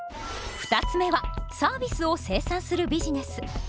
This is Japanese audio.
２つ目はサービスを生産するビジネス。